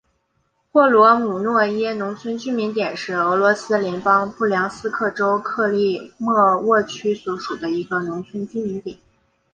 霍罗姆诺耶农村居民点是俄罗斯联邦布良斯克州克利莫沃区所属的一个农村居民点。